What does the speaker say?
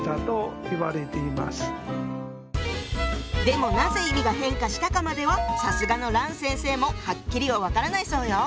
でもなぜ意味が変化したかまではさすがの欒先生もはっきりは分からないそうよ。